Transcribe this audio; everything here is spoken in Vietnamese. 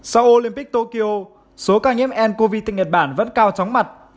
sau olympic tokyo số ca nhiễm ncov tình nhật bản vẫn cao tróng mặt